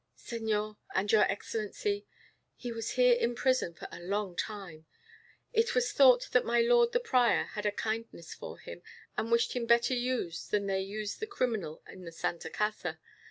"Señor and your Excellency, he was here in prison for a long time. It was thought that my lord the prior had a kindness for him, and wished him better used than they use the criminals in the Santa Casa.